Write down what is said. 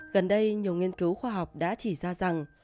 gần đây nhiều nghiên cứu khoa học đã chỉ ra rằng